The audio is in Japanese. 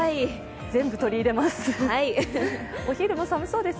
全部取り入れます。